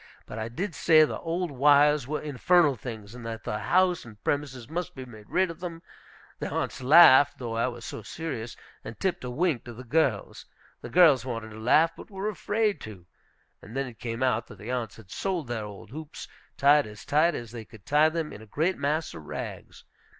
But I did say the old wires were infernal things, and that the house and premises must be made rid of them. The aunts laughed, though I was so serious, and tipped a wink to the girls. The girls wanted to laugh, but were afraid to. And then it came out that the aunts had sold their old hoops, tied as tight as they could tie them, in a great mass of rags.